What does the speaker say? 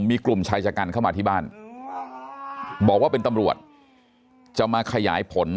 มีกลุ่มชายชะกันเข้ามาที่บ้านบอกว่าเป็นตำรวจจะมาขยายผล